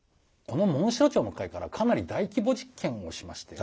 このモンシロチョウの回からかなり大規模実験をしまして。